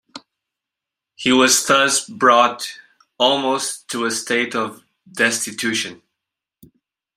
He was thus brought almost to a state of destitution.